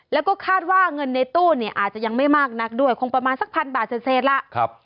แล้วก็คาดว่าเงินในตู้เนี่ยอาจจะยังไม่มากนักด้วยคงประมาณสักพันบาทเศษล่ะ